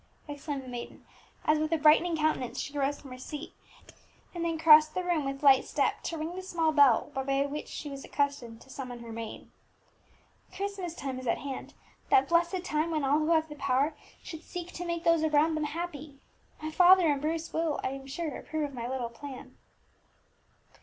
exclaimed the maiden, as with a brightening countenance she rose from her seat, and then crossed the room with light step to ring the small bell by which she was accustomed to summon her maid. "Christmas time is at hand, that blessed time when all who have the power should seek to make those around them happy. My father and Bruce will, I am sure, approve of my little plan."